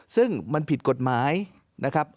ซึ่งมันผิดกฎหมายนะครับ